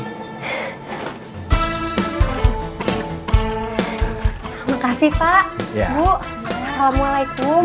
makasih pak bu assalamualaikum